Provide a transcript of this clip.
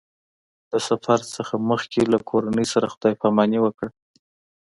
د سفر نه مخکې له کورنۍ سره خدای پاماني وکړه.